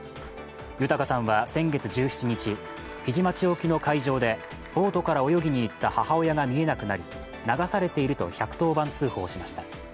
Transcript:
豊さんは先月１７日、日出町沖の海上でボートから泳ぎに行った母親が見えなくなり、流されていると１１０番通報しました。